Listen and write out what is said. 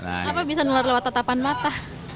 apa bisa menular lewat tetapan mata